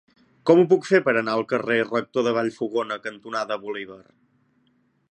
Com ho puc fer per anar al carrer Rector de Vallfogona cantonada Bolívar?